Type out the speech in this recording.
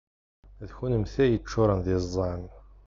D kennemti ay yeččuṛen d iẓẓan.